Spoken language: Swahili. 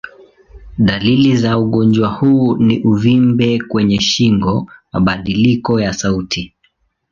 Dalili za ugonjwa huu ni uvimbe kwenye shingo, mabadiliko ya sauti.